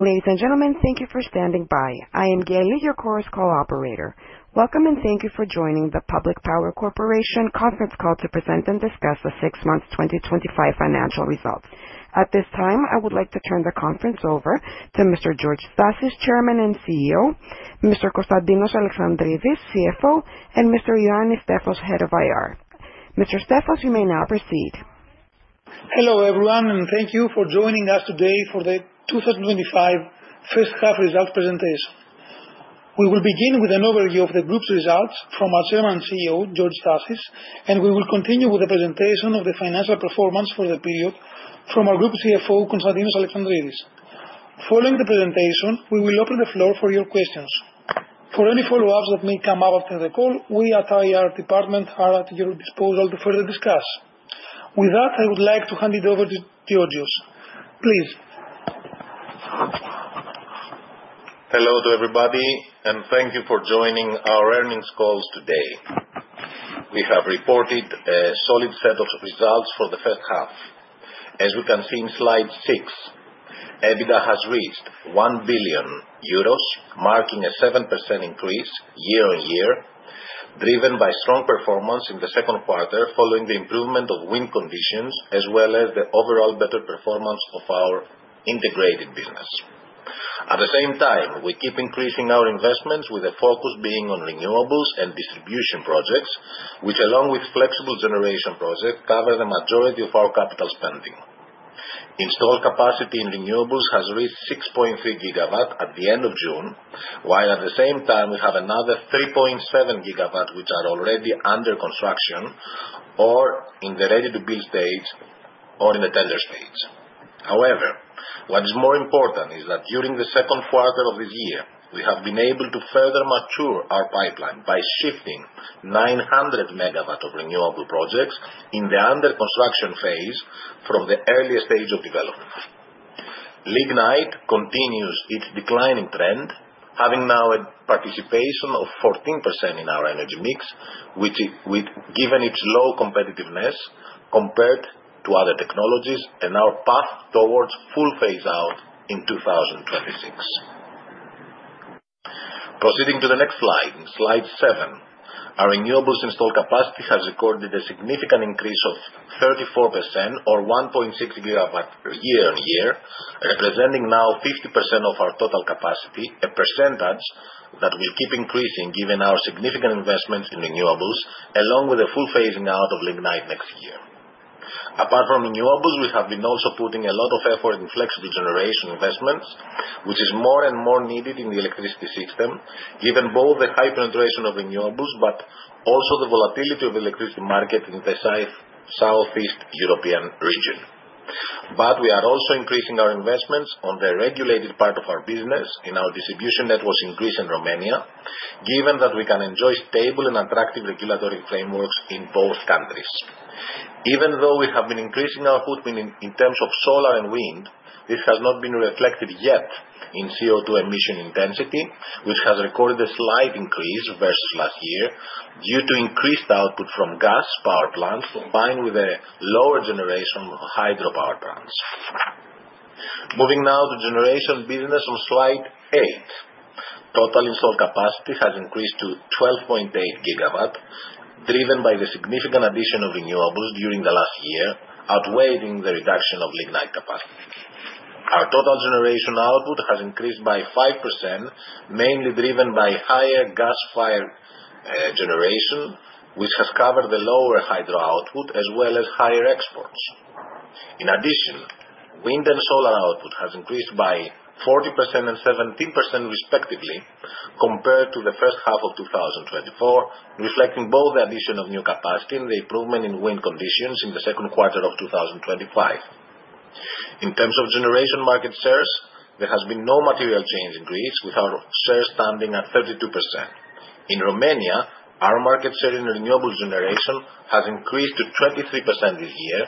Ladies and gentlemen, thank you for standing by. I am Gail, your host coordinator. Welcome and thank you for joining the Public Power Corporation Conference Call to present and discuss the six months' 2025 financial results. At this time, I would like to turn the conference over to Mr. George Stassis, Chairman and CEO, Mr. Konstantinos Alexandridis, CFO, and Mr. Ioannis Stefos, Head of IR. Mr. Stefos, you may now proceed. Hello everyone, and thank you for joining us today for the 2025 first half results presentation. We will begin with an overview of the group's results from our Chairman and CEO, Georgios Stassis, and we will continue with the presentation of the financial performance for the period from our Group CFO, Konstantinos Alexandridis. Following the presentation, we will open the floor for your questions. For any follow-ups that may come up after the call, we at our IR department are at your disposal to further discuss. With that, I would like to hand it over to Georgios. Please. Hello to everybody, and thank you for joining our earnings calls today. We have reported a solid set of results for the first half. As we can see in slide six, EBITDA has reached 1 billion euros, marking a 7% increase year on year, driven by strong performance in the second quarter following the improvement of wind conditions, as well as the overall better performance of our integrated business. At the same time, we keep increasing our investments, with the focus being on renewables and distribution projects, which, along with flexible generation projects, cover the majority of our capital spending. Installed capacity in renewables has reached 6.3 GW at the end of June, while at the same time we have another 3.7 GW which are already under construction or in the ready-to-build stage or in the tender stage. However, what is more important is that during the second quarter of this year, we have been able to further mature our pipeline by shifting 900 MW of renewable projects in the under-construction phase from the earliest stage of development. Lignite continues its declining trend, having now a participation of 14% in our energy mix, which, given its low competitiveness compared to other technologies, is our path towards full phase-out in 2026. Proceeding to the next slide, slide seven, our renewables installed capacity has recorded a significant increase of 34% or 1.6 GW year on year, representing now 50% of our total capacity, a percentage that will keep increasing given our significant investments in renewables, along with the full phasing out of lignite next year. Apart from renewables, we have been also putting a lot of effort in flexible generation investments, which is more and more needed in the electricity system, given both the high penetration of renewables but also the volatility of the electricity market in the southeast European region, but we are also increasing our investments on the regulated part of our business in our distribution networks increase in Romania, given that we can enjoy stable and attractive regulatory frameworks in both countries. Even though we have been increasing our footprint in terms of solar and wind, this has not been reflected yet in CO2 emission intensity, which has recorded a slight increase versus last year due to increased output from gas power plants combined with a lower generation of hydro power plants. Moving now to generation business on slide eight, total installed capacity has increased to 12.8 GW, driven by the significant addition of renewables during the last year, outweighing the reduction of lignite capacity. Our total generation output has increased by 5%, mainly driven by higher gas-fired generation, which has covered the lower hydro output as well as higher exports. In addition, wind and solar output has increased by 40% and 17% respectively compared to the first half of 2024, reflecting both the addition of new capacity and the improvement in wind conditions in the second quarter of 2025. In terms of generation market shares, there has been no material change in Greece, with our share standing at 32%. In Romania, our market share in renewable generation has increased to 23% this year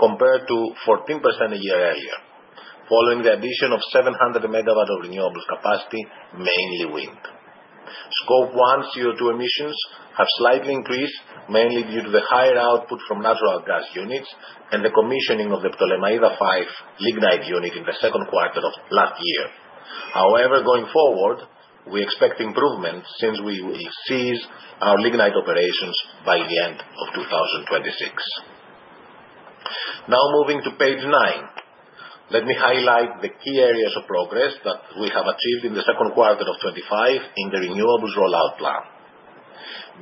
compared to 14% a year earlier, following the addition of 700 MW of renewable capacity, mainly wind. Scope 1 CO2 emissions have slightly increased, mainly due to the higher output from natural gas units and the commissioning of the Ptolemaida 5 lignite unit in the second quarter of last year. However, going forward, we expect improvements since we will cease our lignite operations by the end of 2026. Now moving to page nine, let me highlight the key areas of progress that we have achieved in the second quarter of 2025 in the renewables rollout plan.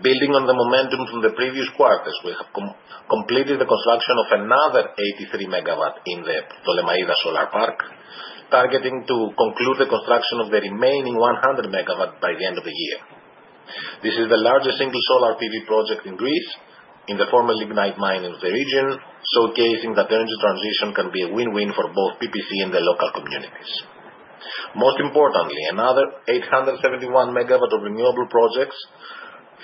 Building on the momentum from the previous quarters, we have completed the construction of another 83 MW in the Ptolemaida solar park, targeting to conclude the construction of the remaining 100 MW by the end of the year. This is the largest single solar PV project in Greece, in the former lignite mine in the region, showcasing that energy transition can be a win-win for both PPC and the local communities. Most importantly, another 871 MW of renewable projects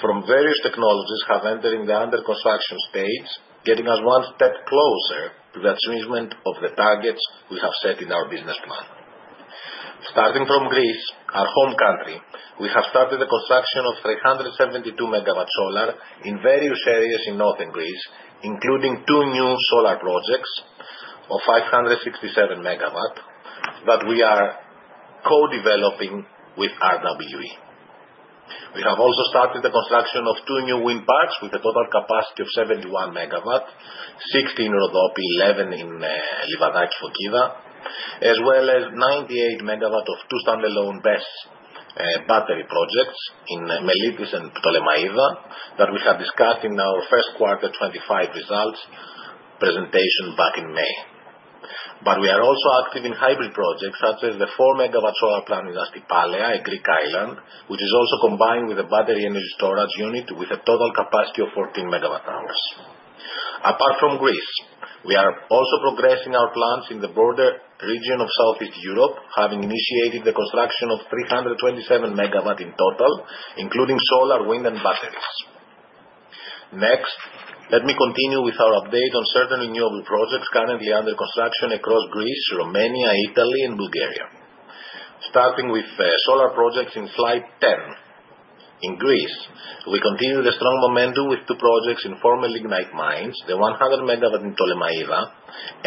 from various technologies have entered in the under-construction stage, getting us one step closer to the achievement of the targets we have set in our business plan. Starting from Greece, our home country, we have started the construction of 372 MW solar in various areas in northern Greece, including two new solar projects of 567 MW that we are co-developing with RWE. We have also started the construction of two new wind parks with a total capacity of 71 MW, 16 in Rhodope, 11 in Livadaki, Fokida, as well as 98 MW of two standalone BESS battery projects in Meliti and Ptolemaida that we have discussed in our first quarter 2025 results presentation back in May. But we are also active in hybrid projects such as the 4 MW solar plant in Astypalea, a Greek island, which is also combined with a battery energy storage unit with a total capacity of 14 MWh. Apart from Greece, we are also progressing our plants in the border region of southeast Europe, having initiated the construction of 327 MW in total, including solar, wind, and batteries. Next, let me continue with our update on certain renewable projects currently under construction across Greece, Romania, Italy, and Bulgaria. Starting with solar projects in slide 10, in Greece, we continue the strong momentum with two projects in former lignite mines, the 100 MW in Ptolemaida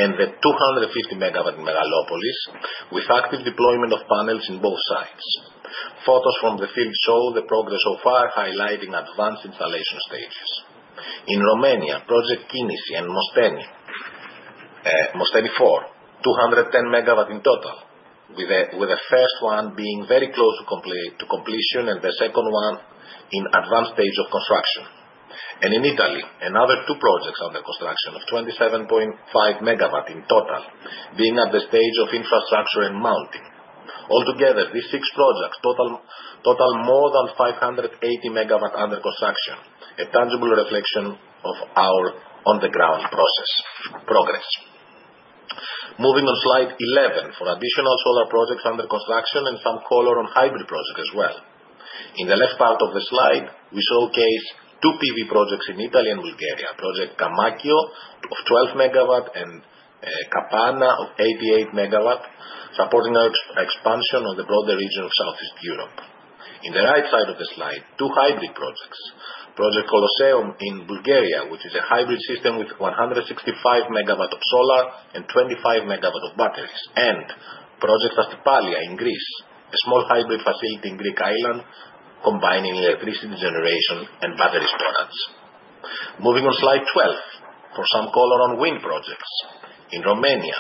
and the 250 MW in Megalopolis, with active deployment of panels in both sites. Photos from the field show the progress so far, highlighting advanced installation stages. In Romania, Project Kinisi and Project Mosteni 4, 210 MW in total, with the first one being very close to completion and the second one in advanced stage of construction. And in Italy, another two projects under construction of 27.5 MW in total, being at the stage of infrastructure and mounting. Altogether, these six projects total more than 580 MW under construction, a tangible reflection of our on-the-ground process progress. Moving on slide eleven for additional solar projects under construction and some color on hybrid projects as well. In the left part of the slide, we showcase two PV projects in Italy and Bulgaria, Project Comacchio of 12 MW and Project Kapana of 88 MW, supporting our expansion of the broader region of southeast Europe. In the right side of the slide, two hybrid projects, Project Colosseum in Bulgaria, which is a hybrid system with 165 MW of solar and 25 MW of batteries, and Project Astypalea in Greece, a small hybrid facility in Greek island, combining electricity generation and battery storage. Moving on slide twelve for some color on wind projects. In Romania,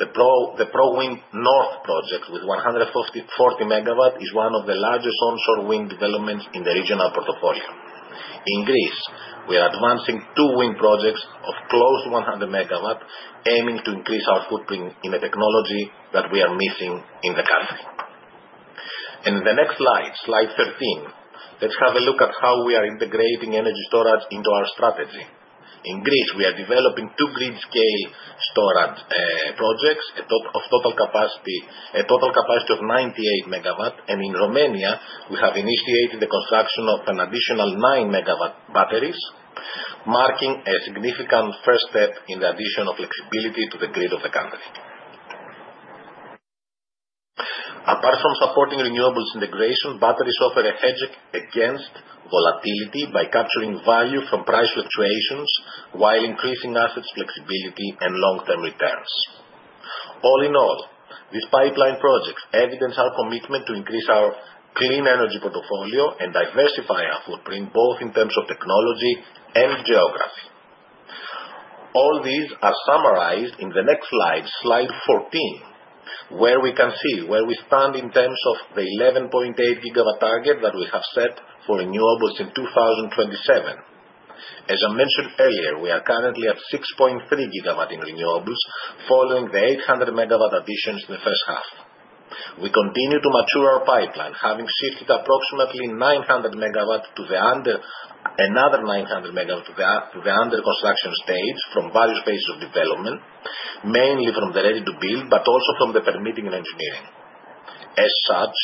the Prowind North project with 140 MW is one of the largest onshore wind developments in the regional portfolio. In Greece, we are advancing two wind projects of close to 100 MW, aiming to increase our footprint in a technology that we are missing in the country. And in the next slide, slide thirteen, let's have a look at how we are integrating energy storage into our strategy. In Greece, we are developing two grid-scale storage projects of total capacity of 98 MW, and in Romania, we have initiated the construction of an additional 9 MW batteries, marking a significant first step in the addition of flexibility to the grid of the country. Apart from supporting renewables integration, batteries offer a hedge against volatility by capturing value from price fluctuations while increasing assets' flexibility and long-term returns. All in all, these pipeline projects evidence our commitment to increase our clean energy portfolio and diversify our footprint both in terms of technology and geography. All these are summarized in the next slide, slide fourteen, where we can see where we stand in terms of the 11.8 GW target that we have set for renewables in 2027. As I mentioned earlier, we are currently at 6.3 GW in renewables, following the 800 MW additions in the first half. We continue to mature our pipeline, having shifted approximately 900 MW to another 900 MW to the under-construction stage from various phases of development, mainly from the ready-to-build, but also from the permitting and engineering. As such,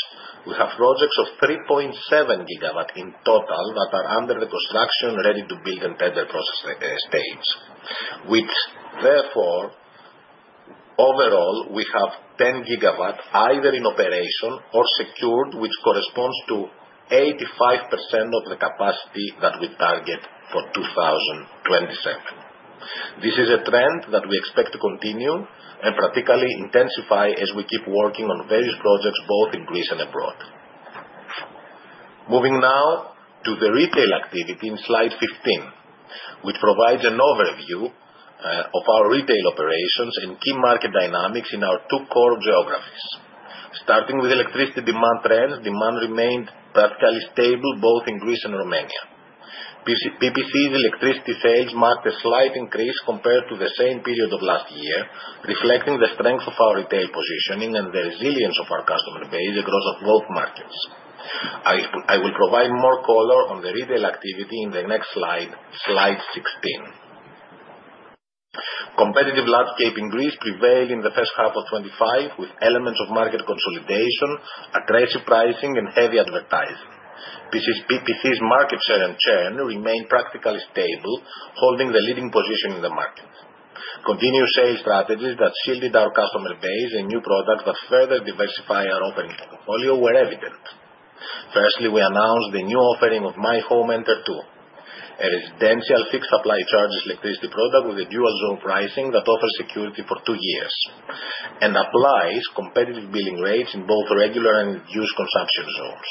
we have projects of 3.7 GW in total that are under construction, ready-to-build, and tender process stage. Therefore, overall, we have 10 GW either in operation or secured, which corresponds to 85% of the capacity that we target for 2027. This is a trend that we expect to continue and practically intensify as we keep working on various projects both in Greece and abroad. Moving now to the retail activity in slide 15, which provides an overview of our retail operations and key market dynamics in our two core geographies. Starting with electricity demand trends, demand remained practically stable both in Greece and Romania. PPC's electricity sales marked a slight increase compared to the same period of last year, reflecting the strength of our retail positioning and the resilience of our customer base across both markets. I will provide more color on the retail activity in the next slide, slide 16. Competitive landscape in Greece prevailed in the first half of 2025 with elements of market consolidation, aggressive pricing, and heavy advertising. PPC's market share and churn remained practically stable, holding the leading position in the market. Continuous sales strategies that shielded our customer base and new products that further diversify our offering portfolio were evident. Firstly, we announced the new offering of MyHome Enter 2, a residential fixed supply charge electricity product with a dual zone pricing that offers security for two years and applies competitive billing rates in both regular and reduced consumption zones.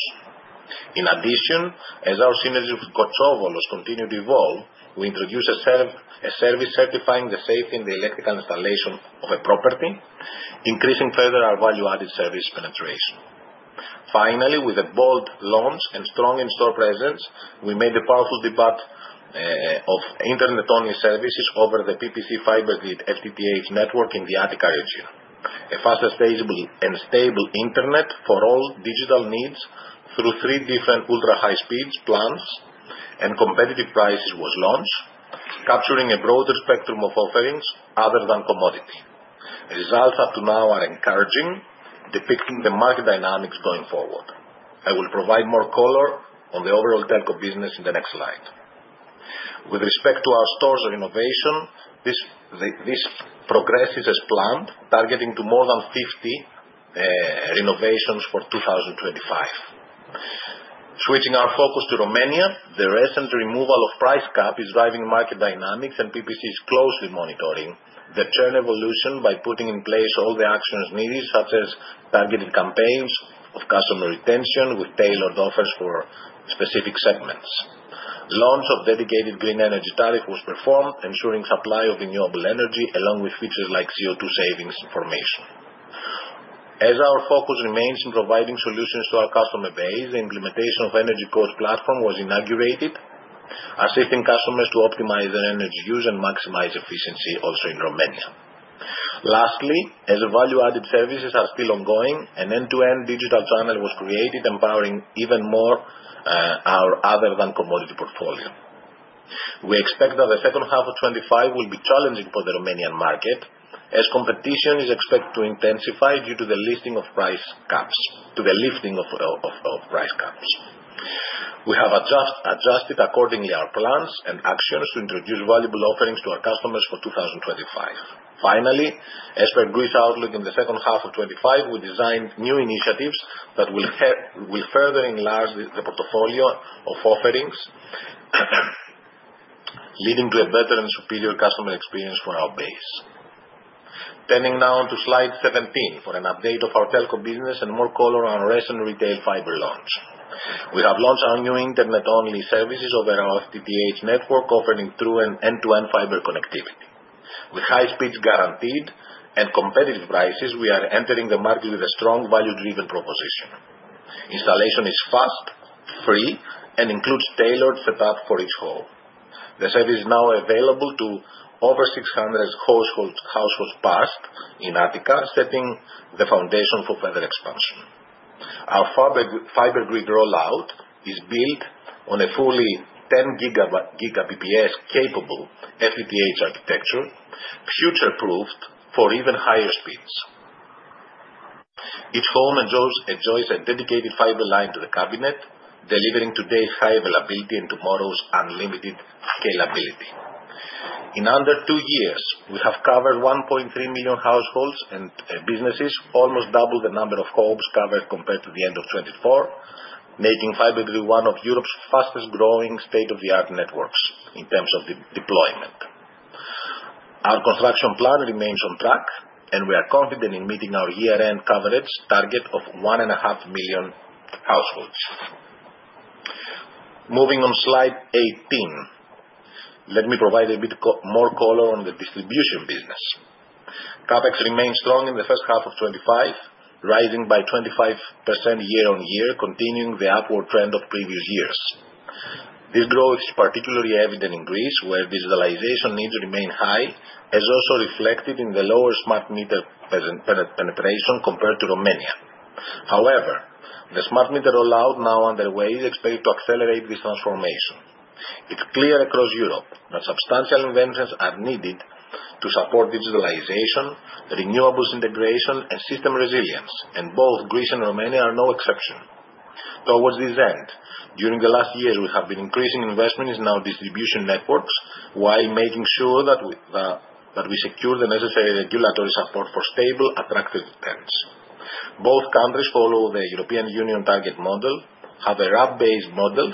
In addition, as our synergy with Kotsovolos has continued to evolve, we introduced a service certifying the safety in the electrical installation of a property, increasing further our value-added service penetration. Finally, with a bold launch and strong in-store presence, we made the powerful debut of internet-only services over the PPC FiberGrid FTTH network in the Attica region. A faster and stable internet for all digital needs through three different ultra-high-speed plans and competitive prices was launched, capturing a broader spectrum of offerings other than commodity. Results up to now are encouraging, depicting the market dynamics going forward. I will provide more color on the overall telco business in the next slide. With respect to our store renovations, this progress is as planned, targeting to more than 50 renovations for 2025. Switching our focus to Romania, the recent removal of price cap is driving market dynamics, and PPC is closely monitoring the churn evolution by putting in place all the actions needed, such as targeted campaigns of customer retention with tailored offers for specific segments. Launch of dedicated green energy tariff was performed, ensuring supply of renewable energy along with features like CO2 savings information. As our focus remains in providing solutions to our customer base, the implementation of Energy Coach platform was inaugurated, assisting customers to optimize their energy use and maximize efficiency also in Romania. Lastly, as value-added services are still ongoing, an end-to-end digital channel was created, empowering even more our other-than-commodity portfolio. We expect that the second half of 2025 will be challenging for the Romanian market, as competition is expected to intensify due to the lifting of price caps. We have adjusted accordingly our plans and actions to introduce valuable offerings to our customers for 2025. Finally, as per Greece outlook in the second half of 2025, we designed new initiatives that will further enlarge the portfolio of offerings, leading to a better and superior customer experience for our base. Turning now to slide 17 for an update of our telco business and more color on recent retail fiber launch. We have launched our new internet-only services over our FTTH network, offering through an end-to-end fiber connectivity. With high speeds guaranteed and competitive prices, we are entering the market with a strong value-driven proposition. Installation is fast, free, and includes tailored setup for each home. The service is now available to over 600 households in Attica, setting the foundation for further expansion. Our fiber grid rollout is built on a fully 10 gigabit capable FTTH architecture, future-proofed for even higher speeds. Each home enjoys a dedicated fiber line to the cabinet, delivering today's high availability and tomorrow's unlimited scalability. In under two years, we have covered 1.3 million households and businesses, almost double the number of homes covered compared to the end of 2024, making FiberGrid one of Europe's fastest-growing state-of-the-art networks in terms of deployment. Our construction plan remains on track, and we are confident in meeting our year-end coverage target of 1.5 million households. Moving on slide 18, let me provide a bit more color on the distribution business. CapEx remains strong in the first half of 2025, rising by 25% year-on-year, continuing the upward trend of previous years. This growth is particularly evident in Greece, where digitalization needs remain high, as also reflected in the lower smart meter penetration compared to Romania. However, the smart meter rollout now underway is expected to accelerate this transformation. It's clear across Europe that substantial investments are needed to support digitalization, renewables integration, and system resilience, and both Greece and Romania are no exception. Towards this end, during the last years, we have been increasing investment in our distribution networks while making sure that we secure the necessary regulatory support for stable, attractive returns. Both countries follow the European Union target model, have a RAB-based model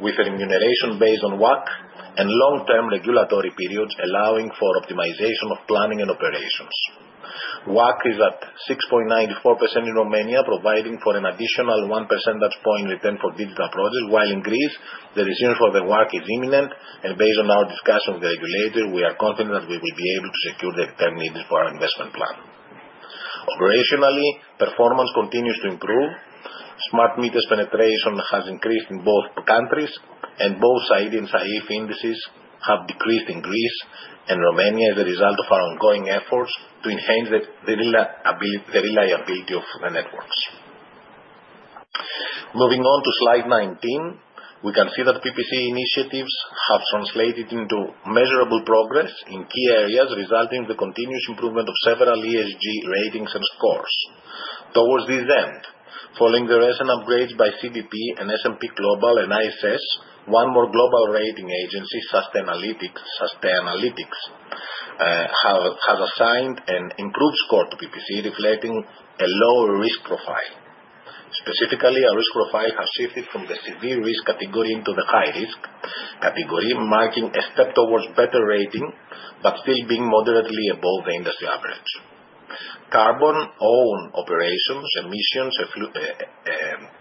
with remuneration based on WACC and long-term regulatory periods allowing for optimization of planning and operations. WACC is at 6.94% in Romania, providing for an additional 1 percentage point return for digital projects, while in Greece, the decision for the WACC is imminent, and based on our discussion with the regulator, we are confident that we will be able to secure the return needed for our investment plan. Operationally, performance continues to improve. Smart meter penetration has increased in both countries, and both SAIDI and SAIFI indices have decreased in Greece and Romania as a result of our ongoing efforts to enhance the reliability of the networks. Moving on to slide 19, we can see that PPC initiatives have translated into measurable progress in key areas, resulting in the continuous improvement of several ESG ratings and scores. Towards this end, following the recent upgrades by CDP and S&P Global and ISS, one more global rating agency, Sustainalytics, has assigned an improved score to PPC, reflecting a lower risk profile. Specifically, our risk profile has shifted from the severe risk category into the high risk category, marking a step towards better rating, but still being moderately above the industry average. Carbon-owned operations, emissions,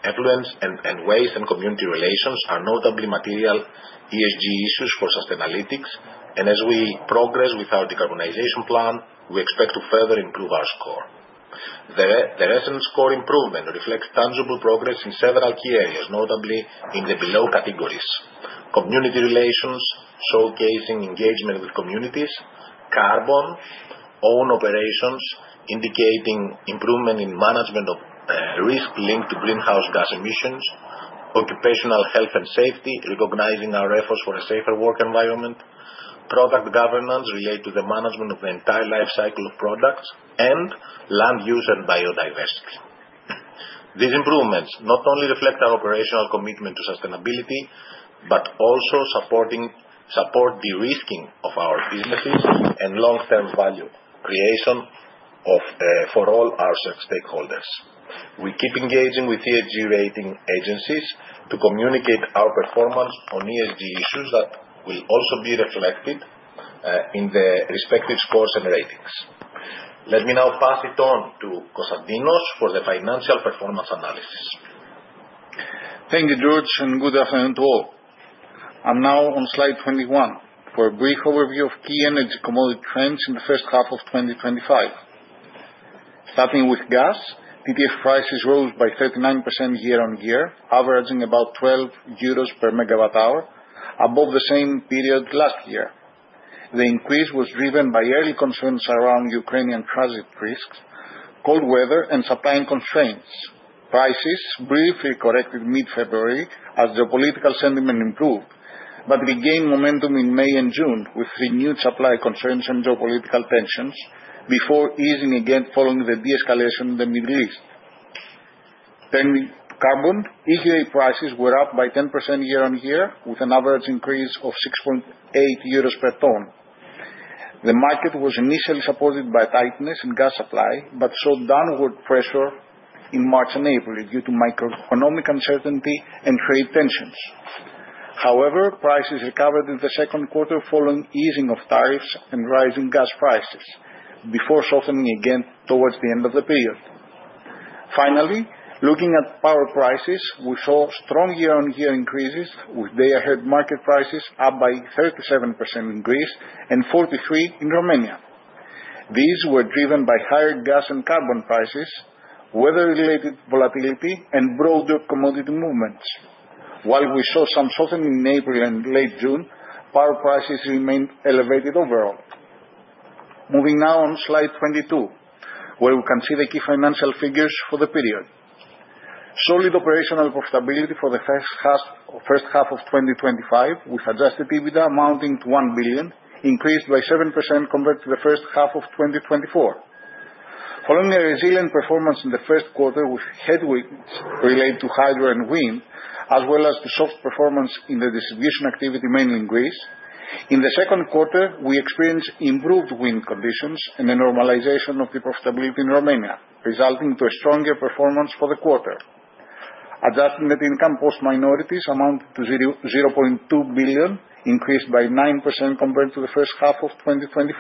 effluents, and waste and community relations are notably material ESG issues for Sustainalytics, and as we progress with our decarbonization plan, we expect to further improve our score. The recent score improvement reflects tangible progress in several key areas, notably in the below categories: community relations, showcasing engagement with communities. Carbon-owned operations, indicating improvement in management of risk linked to greenhouse gas emissions. Occupational health and safety, recognizing our efforts for a safer work environment. Product governance related to the management of the entire life cycle of products. And land use and biodiversity. These improvements not only reflect our operational commitment to sustainability, but also support de-risking of our businesses and long-term value creation for all our stakeholders. We keep engaging with ESG rating agencies to communicate our performance on ESG issues that will also be reflected in the respective scores and ratings. Let me now pass it on to Konstantinos for the financial performance analysis. Thank you, George, and good afternoon to all. I'm now on slide twenty-one for a brief overview of key energy commodity trends in the first half of 2025. Starting with gas, TTF prices rose by 39% year-on-year, averaging about 12 euros per megawatt hour, above the same period last year. The increase was driven by early concerns around Ukrainian transit risks, cold weather, and supply constraints. Prices briefly corrected mid-February as geopolitical sentiment improved, but regained momentum in May and June with renewed supply concerns and geopolitical tensions before easing again following the de-escalation in the Middle East. Turning to carbon, EUA prices were up by 10% year-on-year, with an average increase of 6.8 euros per ton. The market was initially supported by tightness in gas supply, but saw downward pressure in March and April due to microeconomic uncertainty and trade tensions. However, prices recovered in the second quarter following easing of tariffs and rising gas prices before softening again towards the end of the period. Finally, looking at power prices, we saw strong year-on-year increases, with day-ahead market prices up by 37% in Greece and 43% in Romania. These were driven by higher gas and carbon prices, weather-related volatility, and broader commodity movements. While we saw some softening in April and late June, power prices remained elevated overall. Moving now on to slide twenty-two, where we can see the key financial figures for the period. Solid operational profitability for the first half of 2025, with adjusted EBITDA amounting to 1 billion, increased by 7% compared to the first half of 2024. Following a resilient performance in the first quarter, with headwinds related to hydro and wind, as well as the soft performance in the distribution activity, mainly in Greece, in the second quarter, we experienced improved wind conditions and a normalization of the profitability in Romania, resulting in a stronger performance for the quarter. Adjusted net income post-minorities amounted to 0.2 billion, increased by 9% compared to the first half of 2024.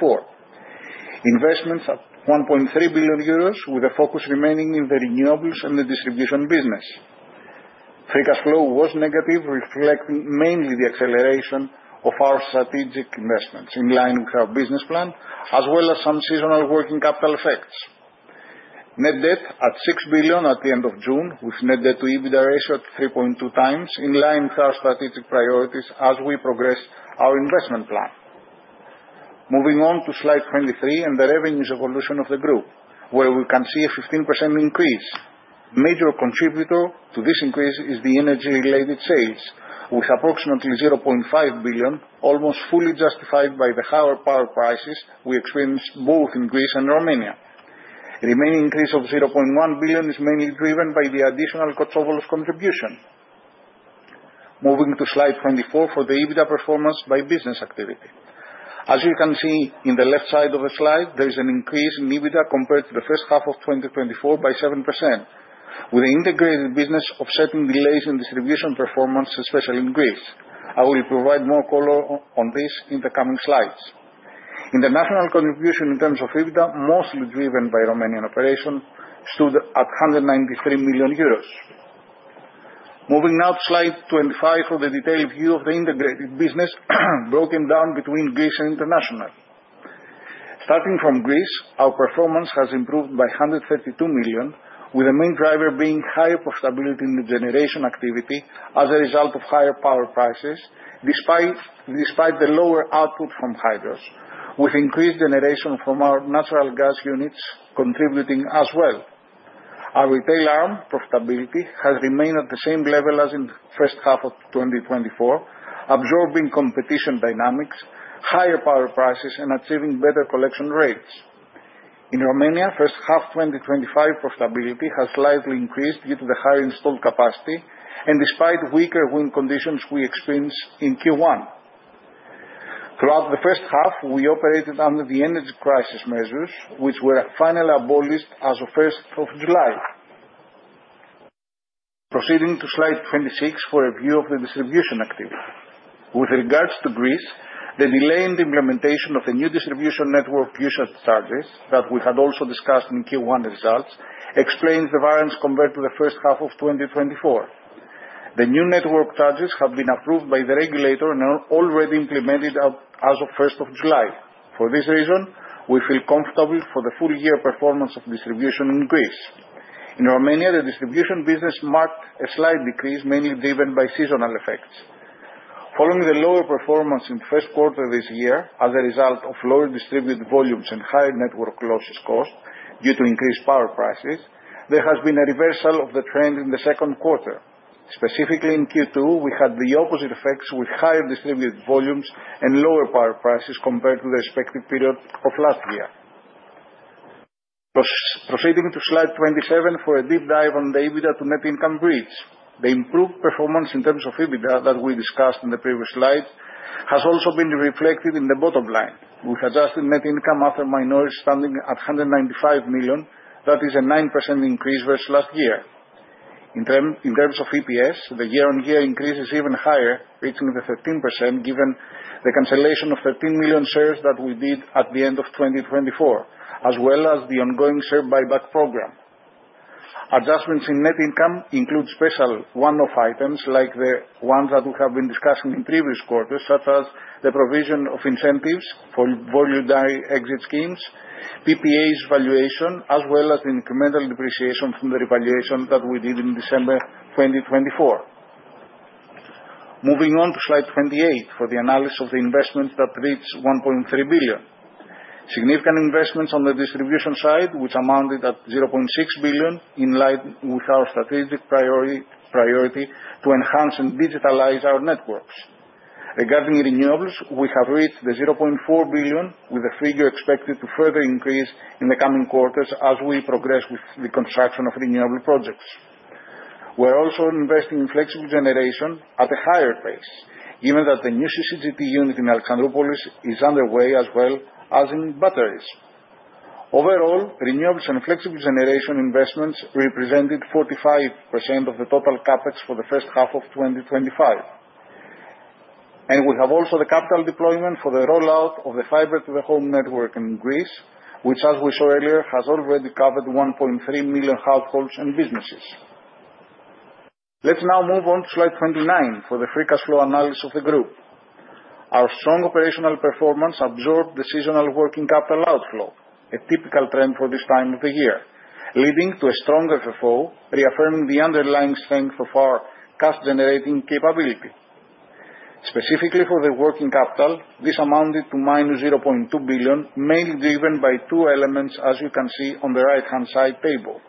Investments at 1.3 billion euros, with a focus remaining in the renewables and the distribution business. Free cash flow was negative, reflecting mainly the acceleration of our strategic investments in line with our business plan, as well as some seasonal working capital effects. Net debt at 6 billion at the end of June, with net debt to EBITDA ratio at 3.2 times, in line with our strategic priorities as we progress our investment plan. Moving on to slide twenty-three and the revenues evolution of the group, where we can see a 15% increase. A major contributor to this increase is the energy-related sales, with approximately 0.5 billion, almost fully justified by the higher power prices we experienced both in Greece and Romania. The remaining increase of 0.1 billion is mainly driven by the additional Kotsovolos's contribution. Moving to slide 24 for the EBITDA performance by business activity. As you can see in the left side of the slide, there is an increase in EBITDA compared to the first half of 2024 by 7%, with the integrated business offsetting delays in distribution performance, especially in Greece. I will provide more color on this in the coming slides. International contribution in terms of EBITDA, mostly driven by Romanian operation, stood at 193 million euros. Moving now to slide twenty-five for the detailed view of the integrated business, broken down between Greece and international. Starting from Greece, our performance has improved by 132 million, with the main driver being higher profitability in the generation activity as a result of higher power prices, despite the lower output from hydros, with increased generation from our natural gas units contributing as well. Our retail arm, profitability, has remained at the same level as in the first half of 2024, absorbing competition dynamics, higher power prices, and achieving better collection rates. In Romania, first half 2025, profitability has slightly increased due to the higher installed capacity and despite weaker wind conditions we experienced in Q1. Throughout the first half, we operated under the energy crisis measures, which were finally abolished as of 1st of July. Proceeding to slide 26 for a view of the distribution activity. With regards to Greece, the delay in the implementation of the new distribution network usage charges that we had also discussed in Q1 results explains the variance compared to the first half of 2024. The new network charges have been approved by the regulator and are already implemented as of 1st of July. For this reason, we feel comfortable for the full-year performance of distribution in Greece. In Romania, the distribution business marked a slight decrease, mainly driven by seasonal effects. Following the lower performance in the first quarter of this year as a result of lower distribution volumes and higher network losses cost due to increased power prices, there has been a reversal of the trend in the second quarter. Specifically, in Q2, we had the opposite effects with higher distribution volumes and lower power prices compared to the respective period of last year. Proceeding to slide 27 for a deep dive on the EBITDA to net income bridge. The improved performance in terms of EBITDA that we discussed in the previous slide has also been reflected in the bottom line, with adjusted net income after minorities standing at 195 million, that is a 9% increase versus last year. In terms of EPS, the year-on-year increase is even higher, reaching 13% given the cancellation of 13 million shares that we did at the end of 2024, as well as the ongoing share buyback program. Adjustments in net income include special one-off items like the ones that we have been discussing in previous quarters, such as the provision of incentives for voluntary exit schemes, PPAs valuation, as well as the incremental depreciation from the revaluation that we did in December 2024. Moving on to slide 28 for the analysis of the investments that reached 1.3 billion. Significant investments on the distribution side, which amounted at 0.6 billion, in line with our strategic priority to enhance and digitalize our networks. Regarding renewables, we have reached 0.4 billion, with a figure expected to further increase in the coming quarters as we progress with the construction of renewable projects. We are also investing in flexible generation at a higher pace, given that the new CCGT unit in Alexandroupolis is underway as well as in batteries. Overall, renewables and flexible generation investments represented 45% of the total CapEx for the first half of 2025, and we have also the capital deployment for the rollout of the fiber-to-the-home network in Greece, which, as we saw earlier, has already covered 1.3 million households and businesses. Let's now move on to slide 29 for the free cash flow analysis of the group. Our strong operational performance absorbed the seasonal working capital outflow, a typical trend for this time of the year, leading to a strong FFO, reaffirming the underlying strength of our cash-generating capability. Specifically for the working capital, this amounted to -0.2 billion, mainly driven by two elements, as you can see on the right-hand side table.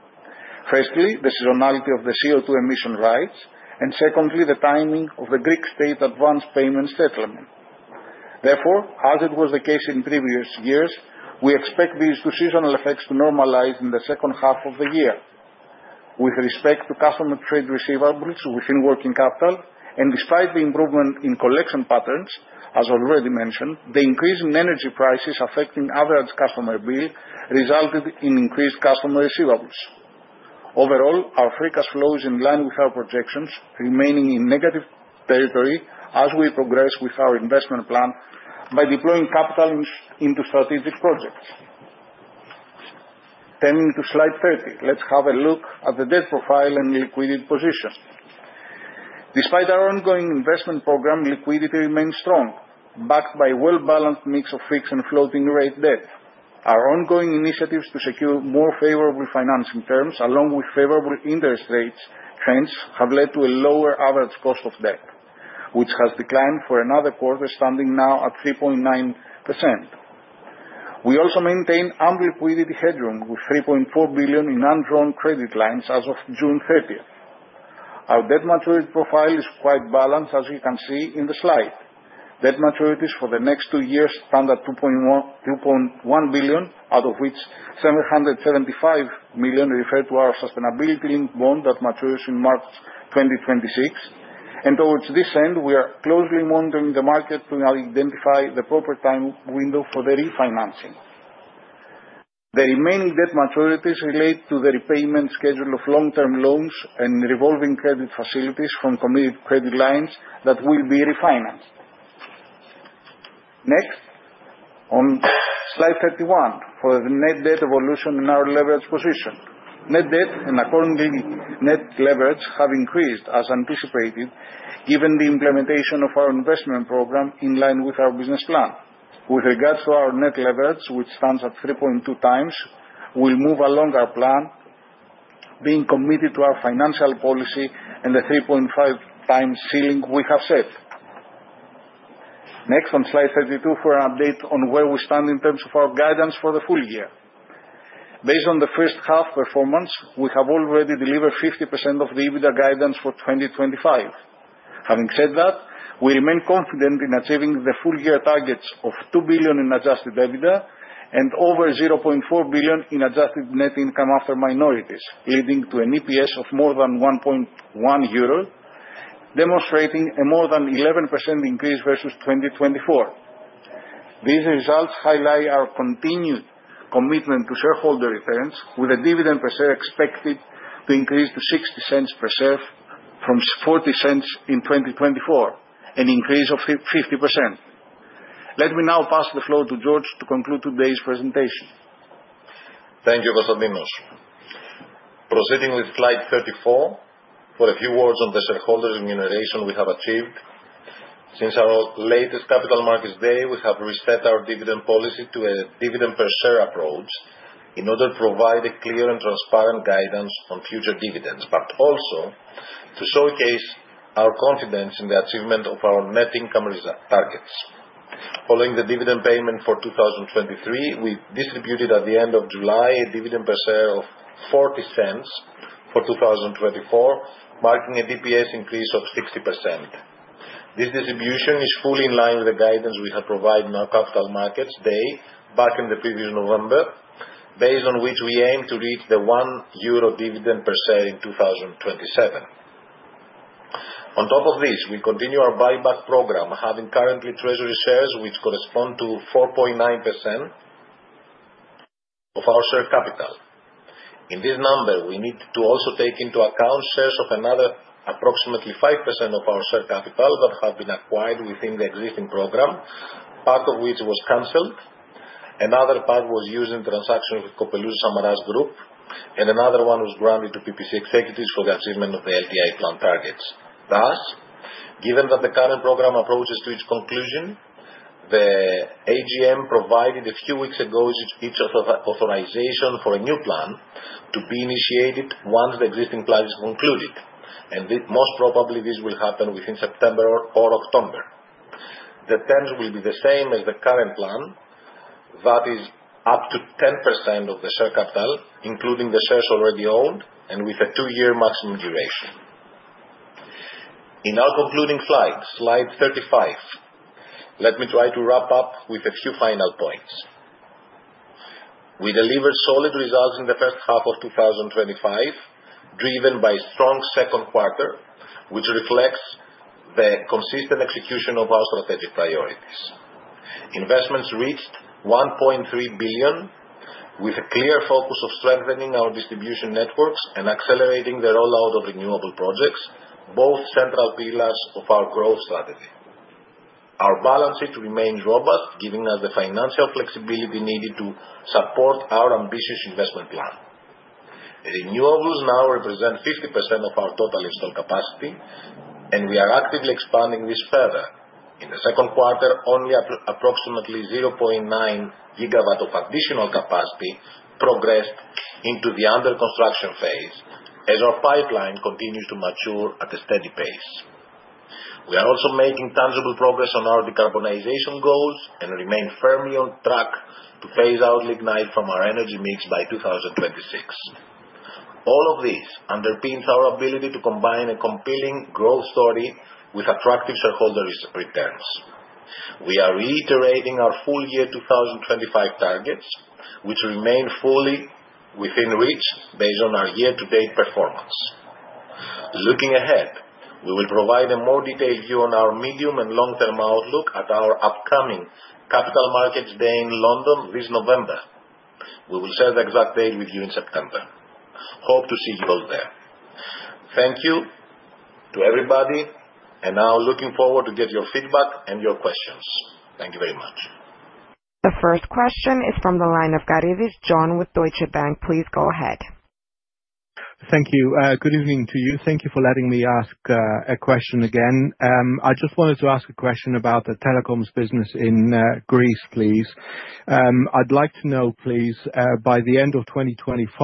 Firstly, the seasonality of the CO2 emission rights, and secondly, the timing of the Greek state advance payments settlement. Therefore, as it was the case in previous years, we expect these two seasonal effects to normalize in the second half of the year. With respect to customer trade receivables within working capital, and despite the improvement in collection patterns, as already mentioned, the increase in energy prices affecting average customer bill resulted in increased customer receivables. Overall, our free cash flow is in line with our projections, remaining in negative territory as we progress with our investment plan by deploying capital into strategic projects. Turning to slide 30, let's have a look at the debt profile and liquidity position. Despite our ongoing investment program, liquidity remains strong, backed by a well-balanced mix of fixed and floating rate debt. Our ongoing initiatives to secure more favorable financing terms, along with favorable interest rate trends, have led to a lower average cost of debt, which has declined for another quarter, standing now at 3.9%. We also maintain liquidity headroom with 3.4 billion in undrawn credit lines as of June 30th. Our debt maturity profile is quite balanced, as you can see in the slide. Debt maturities for the next two years stand at 2.1 billion, out of which 775 million refer to our sustainability-linked bond that matures in March 2026. And towards this end, we are closely monitoring the market to identify the proper time window for the refinancing. The remaining debt maturities relate to the repayment schedule of long-term loans and revolving credit facilities from committed credit lines that will be refinanced. Next, on slide thirty-one, for the net debt evolution in our leverage position. Net debt and, accordingly, net leverage have increased, as anticipated, given the implementation of our investment program in line with our business plan. With regards to our net leverage, which stands at 3.2 times, we'll move along our plan, being committed to our financial policy and the 3.5 times ceiling we have set. Next, on slide thirty-two, for an update on where we stand in terms of our guidance for the full year. Based on the first half performance, we have already delivered 50% of the EBITDA guidance for 2025. Having said that, we remain confident in achieving the full-year targets of 2 billion in adjusted EBITDA and over 0.4 billion in adjusted net income after minorities, leading to an EPS of more than 1.1 euro, demonstrating a more than 11% increase versus 2024. These results highlight our continued commitment to shareholder returns, with a dividend per share expected to increase to 0.60 per share from 0.40 in 2024, an increase of 50%. Let me now pass the floor to George to conclude today's presentation. Thank you, Konstantinos. Proceeding with slide thirty-four, for a few words on the shareholder remuneration we have achieved. Since our latest capital markets day, we have reset our dividend policy to a dividend per share approach in order to provide a clear and transparent guidance on future dividends, but also to showcase our confidence in the achievement of our net income targets. Following the dividend payment for 2023, we distributed at the end of July a dividend per share of 0.40 for 2024, marking a DPS increase of 60%. This distribution is fully in line with the guidance we have provided in our capital markets day back in the previous November, based on which we aim to reach the 1 euro dividend per share in 2027. On top of this, we continue our buyback program, having currently treasury shares, which correspond to 4.9% of our share capital. In this number, we need to also take into account shares of another approximately 5% of our share capital that have been acquired within the existing program, part of which was canceled, another part was used in transactions with Copelouzos-Samaras Group, and another one was granted to PPC executives for the achievement of the LTI plan targets. Thus, given that the current program approaches to its conclusion, the AGM provided a few weeks ago its authorization for a new plan to be initiated once the existing plan is concluded, and most probably this will happen within September or October. The terms will be the same as the current plan, that is, up to 10% of the share capital, including the shares already owned and with a two-year maximum duration. In our concluding slide, slide 35, let me try to wrap up with a few final points. We delivered solid results in the first half of 2025, driven by a strong second quarter, which reflects the consistent execution of our strategic priorities. Investments reached 1.3 billion, with a clear focus of strengthening our distribution networks and accelerating the rollout of renewable projects, both central pillars of our growth strategy. Our balance sheet remains robust, giving us the financial flexibility needed to support our ambitious investment plan. Renewables now represent 50% of our total installed capacity, and we are actively expanding this further. In the second quarter, only approximately 0.9 GW of additional capacity progressed into the under-construction phase as our pipeline continues to mature at a steady pace. We are also making tangible progress on our decarbonization goals and remain firmly on track to phase out lignite from our energy mix by 2026. All of this underpins our ability to combine a compelling growth story with attractive shareholder returns. We are reiterating our full-year 2025 targets, which remain fully within reach based on our year-to-date performance. Looking ahead, we will provide a more detailed view on our medium and long-term outlook at our upcoming capital markets day in London this November. We will share the exact date with you in September. Hope to see you all there. Thank you to everybody, and now looking forward to get your feedback and your questions. Thank you very much. The first question is from the line of John Karidis with Deutsche Bank. Please go ahead. Thank you. Good evening to you. Thank you for letting me ask a question again. I just wanted to ask a question about the telecoms business in Greece, please. I'd like to know, please, by the end of 2025,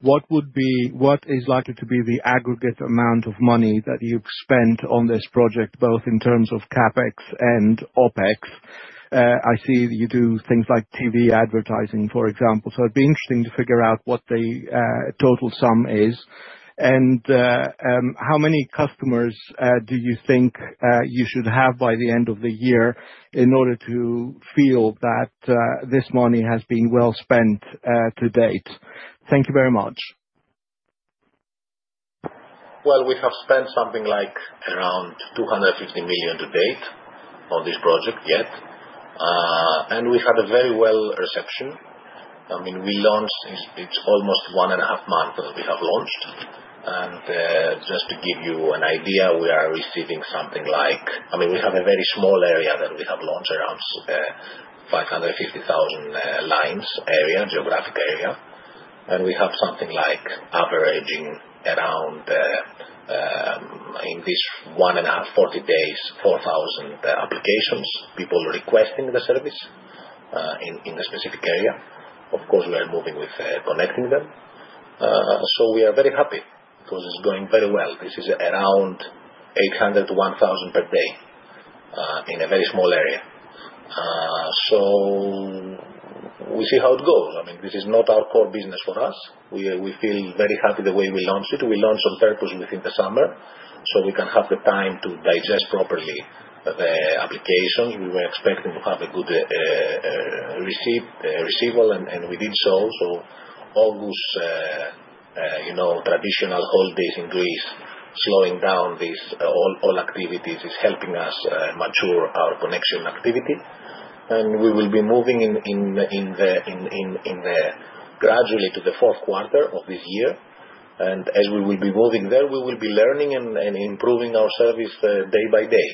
what is likely to be the aggregate amount of money that you've spent on this project, both in terms of CapEx and OpEx? I see you do things like TV advertising, for example, so it'd be interesting to figure out what the total sum is. And how many customers do you think you should have by the end of the year in order to feel that this money has been well spent to date? Thank you very much. Well, we have spent something like around 250 million to date on this project yet, and we had a very well reception. I mean, we launched, it's almost one and a half months that we have launched. Just to give you an idea, we are receiving something like. I mean, we have a very small area that we have launched, around 550,000 lines area, geographic area. We have something like averaging around, in this one and a half, 40 days, 4,000 applications, people requesting the service in the specific area. Of course, we are moving with connecting them. We are very happy because it's going very well. This is around 800-1,000 per day in a very small area. We see how it goes. I mean, this is not our core business for us. We feel very happy the way we launched it. We launched on purpose within the summer so we can have the time to digest properly the applications. We were expecting to have a good reception, and we did so. So, August, traditional holidays in Greece, slowing down all activities is helping us mature our connection activity. And we will be moving gradually to the fourth quarter of this year. And as we will be moving there, we will be learning and improving our service day by day,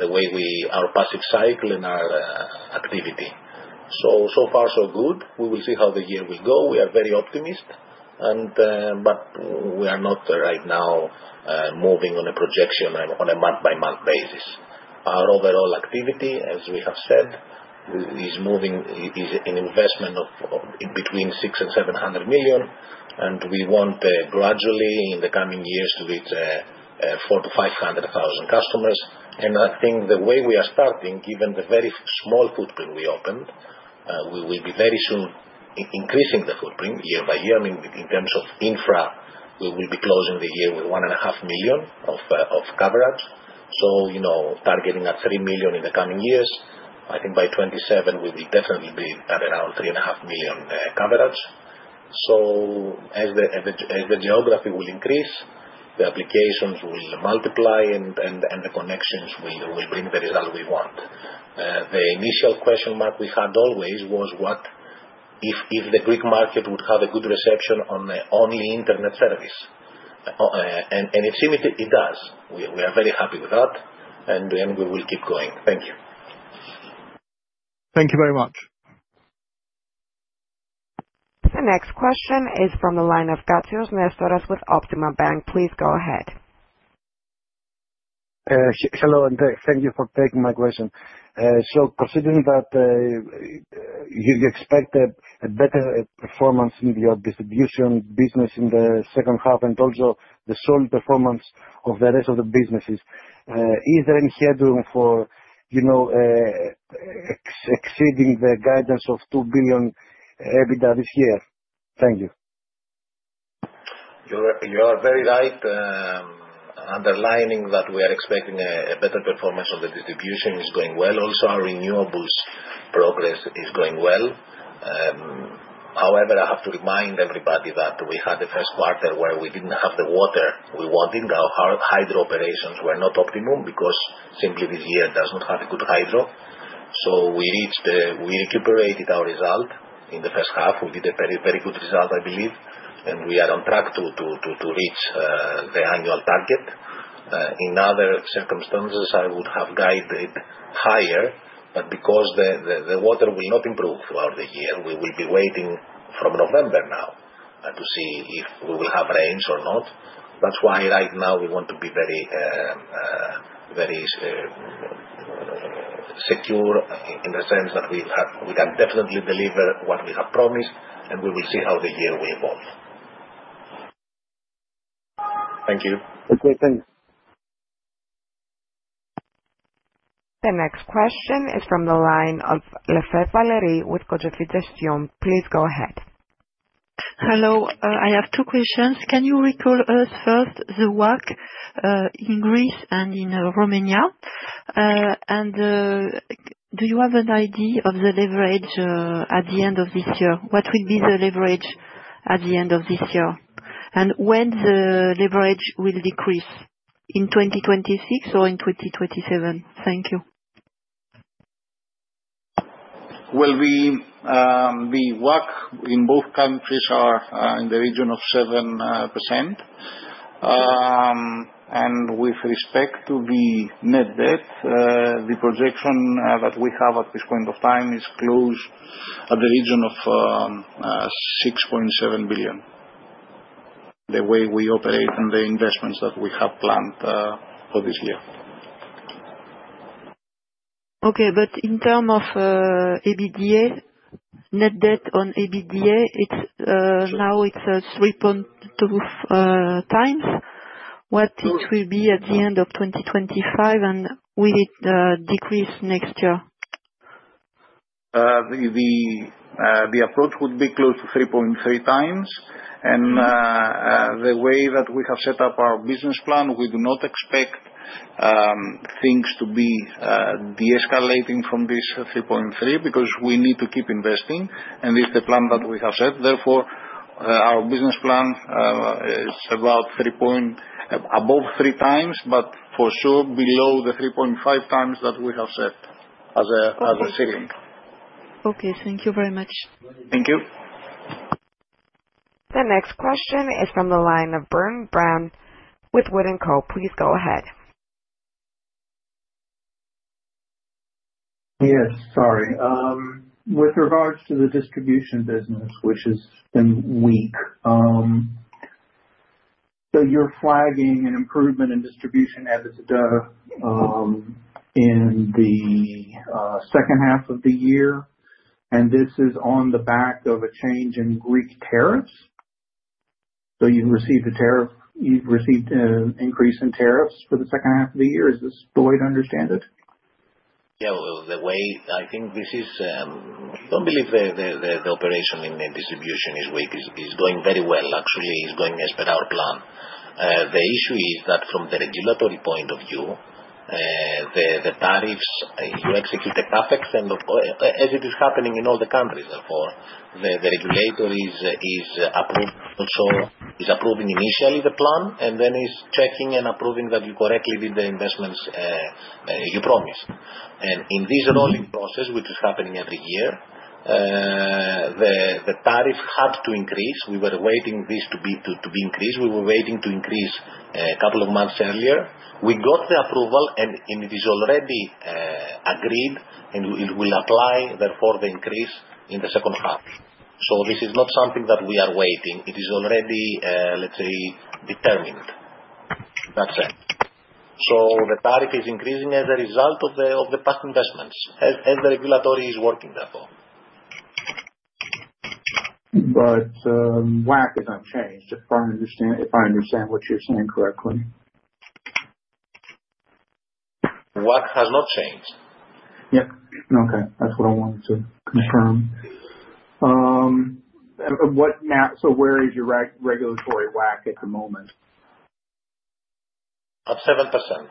the way we, our passive cycle and our activity. So far, so good. We will see how the year will go. We are very optimistic, but we are not right now moving on a projection on a month-by-month basis. Our overall activity, as we have said, is an investment of between 600 million and 700 million, and we want gradually in the coming years to reach 400,000-500,000 customers. And I think the way we are starting, given the very small footprint we opened, we will be very soon increasing the footprint year by year. I mean, in terms of infra, we will be closing the year with 1.5 million of coverage. So targeting at 3 million in the coming years, I think by 2027 we will definitely be at around 3.5 million coverage. So as the geography will increase, the applications will multiply, and the connections will bring the result we want. The initial question mark we had always was, what if the Greek market would have a good reception on only internet service? And it seems it does. We are very happy with that, and we will keep going. Thank you. Thank you very much. The next question is from the line of Nestoras Katsios with Optima Bank. Please go ahead. Hello, and thank you for taking my question. So considering that you expect a better performance in your distribution business in the second half and also the solid performance of the rest of the businesses, is there any headroom for exceeding the guidance of 2 billion EBITDA this year? Thank you. You are very right. Underlining that we are expecting a better performance on the distribution is going well. Also, our renewables progress is going well. However, I have to remind everybody that we had the first quarter where we didn't have the water we wanted. Our hydro operations were not optimum because simply this year does not have a good hydro. So we recuperated our result in the first half. We did a very good result, I believe, and we are on track to reach the annual target. In other circumstances, I would have guided higher, but because the water will not improve throughout the year, we will be waiting from November now to see if we will have rains or not. That's why right now we want to be very secure in the sense that we can definitely deliver what we have promised, and we will see how the year will evolve. Thank you. Okay, thanks. The next question is from the line of Clément Lefebvre-Ballerie with Cottes Filles Gestion. Please go ahead. Hello. I have two questions. Can you walk us through first the work in Greece and in Romania? And do you have an idea of the leverage at the end of this year? What will be the leverage at the end of this year? And when the leverage will decrease, in 2026 or in 2027? Thank you. The work in both countries are in the region of 7%. And with respect to the net debt, the projection that we have at this point of time is close at the region of 6.7 billion, the way we operate and the investments that we have planned for this year. Okay, but in terms of EBITDA, net debt on EBITDA, now it's 3.2 times. What it will be at the end of 2025, and will it decrease next year? The approach would be close to 3.3 times. And the way that we have set up our business plan, we do not expect things to be de-escalating from this 3.3 because we need to keep investing, and this is the plan that we have set. Therefore, our business plan is about above 3 times, but for sure below the 3.5 times that we have set as a ceiling. Okay, thank you very much. Thank you. The next question is from the line of Bram Buring with Wood & Co. Please go ahead. Yes, sorry. With regards to the distribution business, which has been weak, so you're flagging an improvement in distribution EBITDA in the second half of the year, and this is on the back of a change in Greek tariffs. So you've received a tariff, you've received an increase in tariffs for the second half of the year. Is this the way to understand it? Yeah, the way I think this is. I don't believe the operation in distribution is going very well. Actually, it's going as per our plan. The issue is that from the regulatory point of view, the tariffs, you execute the CapEx, and as it is happening in all the countries, therefore, the regulator is approving initially the plan and then is checking and approving that you correctly did the investments you promised, and in this rolling process, which is happening every year, the tariff had to increase. We were waiting this to be increased. We were waiting to increase a couple of months earlier. We got the approval, and it is already agreed, and it will apply, therefore, the increase in the second half, so this is not something that we are waiting. It is already, let's say, determined. That's it, so the tariff is increasing as a result of the past investments, as the regulatory is working, therefore, But WACC has not changed, if I understand what you're saying correctly. WACC has not changed. Yeah. Okay. That's what I wanted to confirm. So where is your regulatory WAC at the moment? At 7%,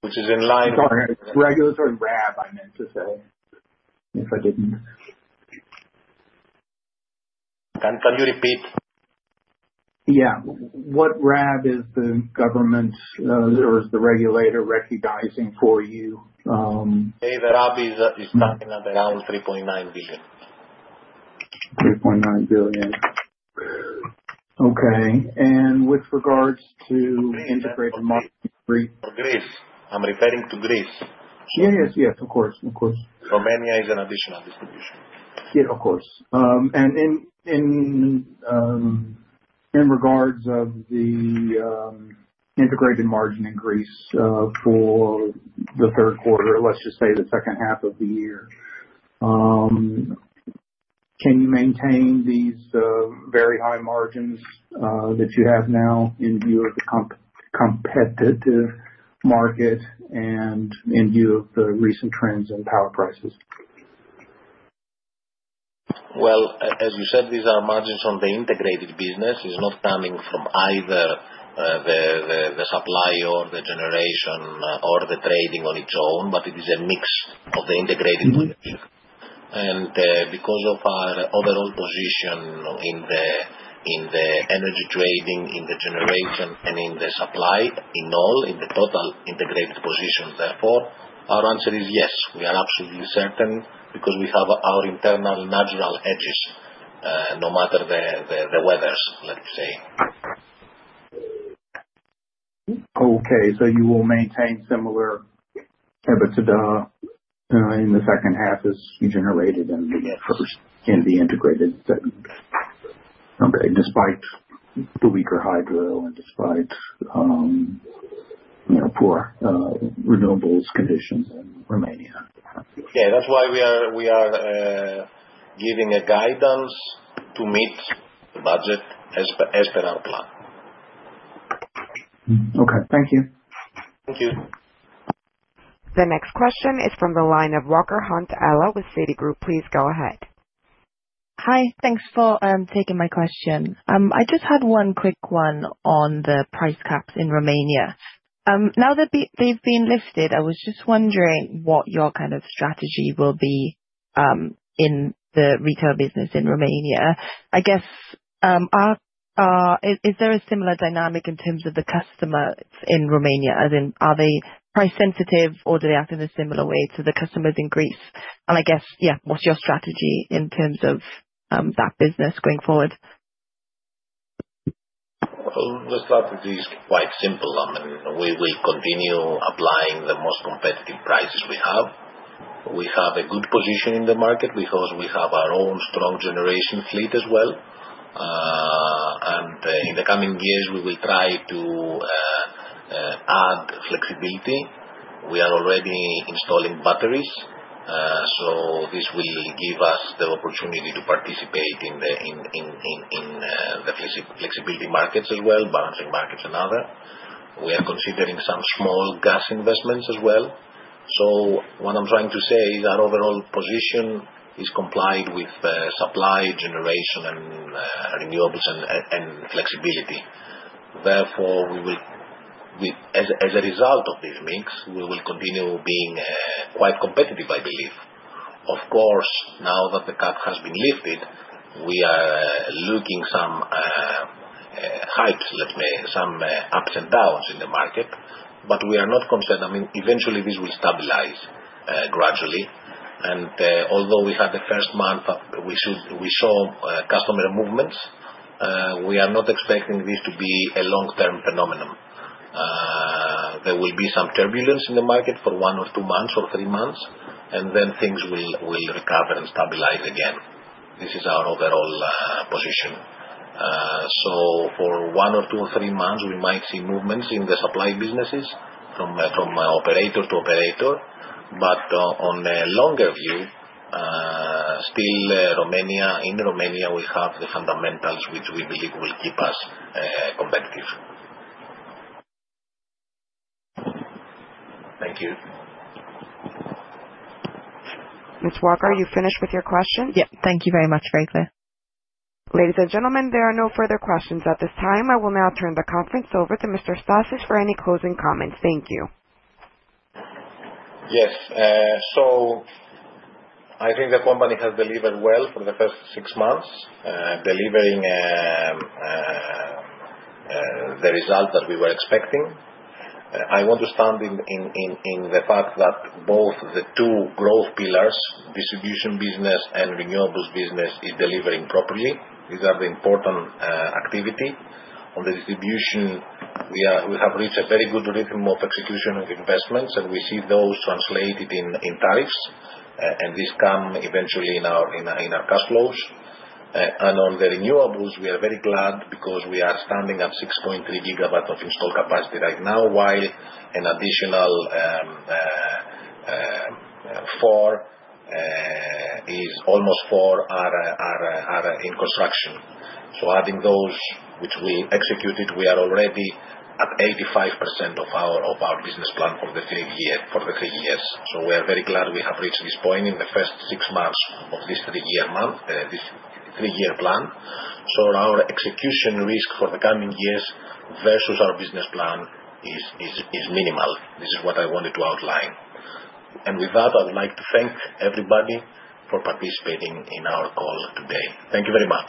which is in line with. Sorry, regulatory RAB, I meant to say, if I didn't. Can you repeat? Yeah. What RAB is the government or is the regulator recognizing for you? RAB is talking about around 3.9 billion. 3.9 billion. Okay. And with regards to integrated markets in Greece? Greece. I'm referring to Greece. Yeah, yes, yes. Of course, of course. Romania is an additional distribution. Yeah, of course. And in regards of the integrated margin in Greece for the third quarter, let's just say the second half of the year, can you maintain these very high margins that you have now in view of the competitive market and in view of the recent trends in power prices? Well, as you said, these are margins from the integrated business. It's not coming from either the supply or the generation or the trading on its own, but it is a mix of the integrated position. And because of our overall position in the energy trading, in the generation, and in the supply, in all, in the total integrated position, therefore, our answer is yes. We are absolutely certain because we have our internal natural edges, no matter the weathers, let's say. Okay. So you will maintain similar EBITDA in the second half as you generated in the first in the integrated segment, okay, despite the weaker hydro and despite poor renewables conditions in Romania? Yeah. That's why we are giving a guidance to meet the budget as per our plan. Okay. Thank you. Thank you. The next question is from the line of Ella Walker-Hunt with Citigroup. Please go ahead. Hi. Thanks for taking my question. I just had one quick one on the price caps in Romania. Now that they've been lifted, I was just wondering what your kind of strategy will be in the retail business in Romania. I guess, is there a similar dynamic in terms of the customers in Romania? As in, are they price-sensitive, or do they act in a similar way to the customers in Greece? And I guess, yeah, what's your strategy in terms of that business going forward? The strategy is quite simple. I mean, we will continue applying the most competitive prices we have. We have a good position in the market because we have our own strong generation fleet as well. And in the coming years, we will try to add flexibility. We are already installing batteries, so this will give us the opportunity to participate in the flexibility markets as well, balancing markets and other. We are considering some small gas investments as well. So what I'm trying to say is our overall position is complemented with supply, generation, and renewables and flexibility. Therefore, as a result of this mix, we will continue being quite competitive, I believe. Of course, now that the cap has been lifted, we are seeing some hikes, let's say, some ups and downs in the market, but we are not concerned. I mean, eventually, this will stabilize gradually. And although we had the first month, we saw customer movements, we are not expecting this to be a long-term phenomenon. There will be some turbulence in the market for one or two months or three months, and then things will recover and stabilize again. This is our overall position. So for one or two or three months, we might see movements in the supply businesses from operator to operator. But on a longer view, still in Romania, we have the fundamentals which we believe will keep us competitive. Thank you. Ms. Walker-Hunt, are you finished with your question? Yep. Thank you very much. Ladies and gentlemen, there are no further questions at this time. I will now turn the conference over to Mr. Stassis for any closing comments. Thank you. Yes. So I think the company has delivered well for the first six months, delivering the result that we were expecting. I want to stand in the fact that both the two growth pillars, distribution business and renewables business, are delivering properly. These are the important activity. On the distribution, we have reached a very good rhythm of execution of investments, and we see those translated in tariffs, and this comes eventually in our cash flows. And on the renewables, we are very glad because we are standing at 6.3 GW of installed capacity right now, while an additional four, almost four, are in construction. So adding those, which will execute it, we are already at 85% of our business plan for the three years. So we are very glad we have reached this point in the first six months of this three-year plan. So our execution risk for the coming years versus our business plan is minimal. This is what I wanted to outline. And with that, I would like to thank everybody for participating in our call today. Thank you very much.